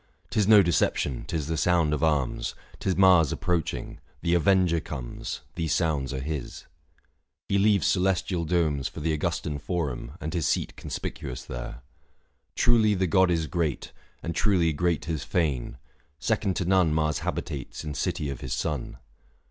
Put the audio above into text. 'Tis no deception, 'tis the sound of arms — 620 'Tis Mars approaching : the avenger comes, These sounds are his ; he leaves celestial domes Book V. THE FASTI. 163 For the Augustan forum, and his seat Conspicuous there. Truly the god is great, And truly great his fane ; second to none 625 Mars habitates in city of his son.